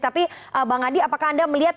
tapi bang adi apakah anda melihat